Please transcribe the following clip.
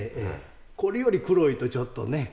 これより黒いとちょっとね。